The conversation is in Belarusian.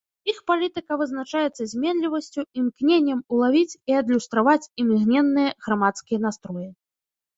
Іх палітыка вызначаецца зменлівасцю, імкненнем улавіць і адлюстраваць імгненныя грамадскія настроі.